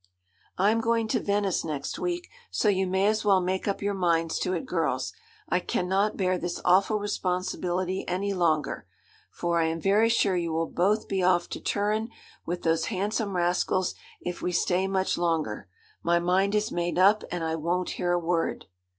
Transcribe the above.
'I'm going to Venice next week; so you may as well make up your minds to it, girls. I cannot bear this awful responsibility any longer; for I am very sure you will both be off to Turin with those handsome rascals if we stay much longer. My mind is made up, and I won't hear a word.'